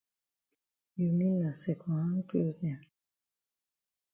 You mean na second hand closs dem.